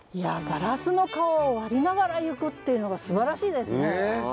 「ガラスの川を割りながらゆく」っていうのがすばらしいですね。